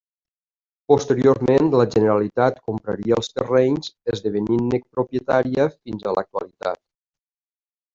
Posteriorment, la Generalitat compraria els terrenys esdevenint-ne propietària fins a l'actualitat.